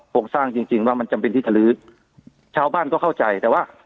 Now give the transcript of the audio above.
โครงสร้างจริงจริงว่ามันจำเป็นที่จะลื้อชาวบ้านก็เข้าใจแต่ว่า